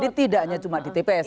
tapi tidak hanya cuma di tps